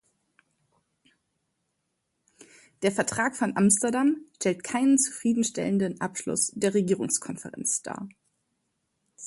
Der Vertrag von Amsterdam stellt keinen zufriedenstellenden Abschluss der Regierungskonferenz dar.